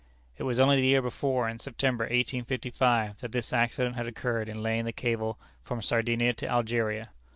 It was only the year before, in September, 1855, that this accident had occurred in laying the cable from Sardinia to Algeria.